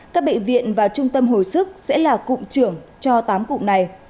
các bệnh viện và trung tâm hồi sức sẽ là cụm trưởng cho tám cụm này